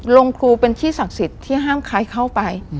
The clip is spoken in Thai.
โรงครูเป็นที่ศักดิ์สิทธิ์ที่ห้ามใครเข้าไป